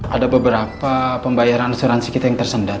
ada beberapa pembayaran asuransi kita yang tersendat